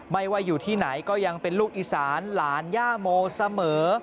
ไม่ว่าอยู่ที่ไหนก็ยังเป็นลูกอีสานหลานย่าโมเสมอ